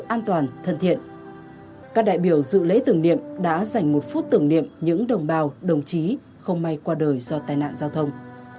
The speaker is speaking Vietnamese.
an toàn thân thiện các đại biểu dự lễ tưởng niệm đã dành một phút tưởng niệm những đồng bào đồng chí không may qua đời do tai nạn giao thông